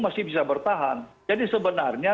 masih bisa bertahan jadi sebenarnya